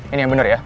ini yang benar ya